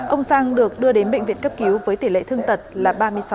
ông sang được đưa đến bệnh viện cấp cứu với tỷ lệ thương tật là ba mươi sáu